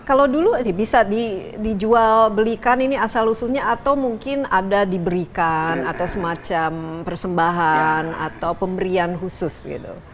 kalau dulu bisa dijual belikan ini asal usulnya atau mungkin ada diberikan atau semacam persembahan atau pemberian khusus gitu